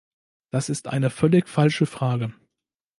Das ist eine völlig falsche Frage.